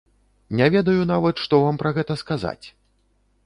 Не ведаю нават, што вам пра гэта сказаць.